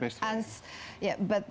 tapi di atas itu